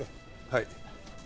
はい。